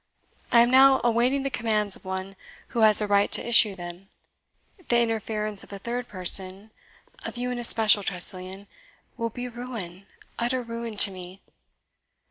I am now awaiting the commands of one who has a right to issue them. The interference of a third person of you in especial, Tressilian will be ruin utter ruin to me.